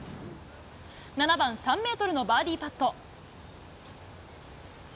７番、３メートルのバーディーパット。